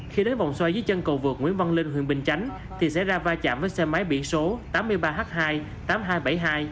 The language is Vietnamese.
khi đến vòng xoay dưới chân cầu vượt nguyễn văn linh huyện bình chánh thì sẽ ra va chạm với xe máy biển số tám mươi ba h hai tám nghìn hai trăm bảy mươi hai